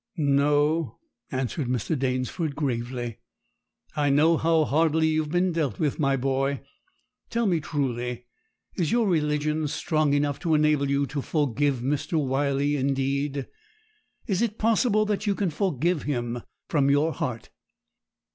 'No,' answered Mr. Danesford gravely; 'I know how hardly you have been dealt with, my boy. Tell me truly, is your religion strong enough to enable you to forgive Mr. Wyley indeed? Is it possible that you can forgive him from your heart?'